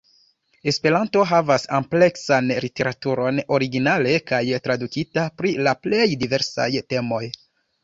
Esperanto havas ampleksan literaturon, originale kaj tradukita, pri la plej diversaj temoj.